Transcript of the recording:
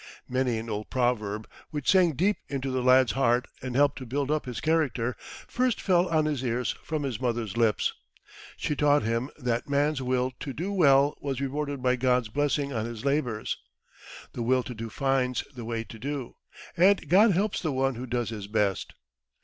Many an old proverb, which sank deep into the lad's heart and helped to build up his character, first fell on his ears from his mother's lips. She taught him that man's will to do well was rewarded by God's blessing on his labours. The will to do finds the way to do, and God helps the one who does his best.